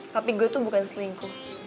tapi gue tuh bukan selingkuh